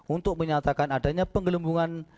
untuk menyatakan adanya penggelembungan